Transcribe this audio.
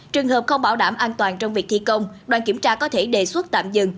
trường hợp không bảo đảm an toàn trong việc thi công đoàn kiểm tra có thể đề xuất tạm dừng